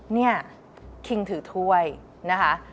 เนี่ยคิงถือถ้วยนะคะ